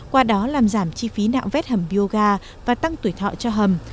qua đó làm giảm chi phí nạo vét hầm bioga và tăng tuổi thọ cho hầm